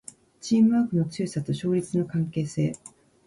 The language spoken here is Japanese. チームワークの強さと勝率の関係性